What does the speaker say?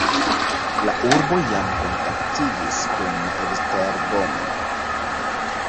La urbo jam kontaktiĝis kun Esztergom.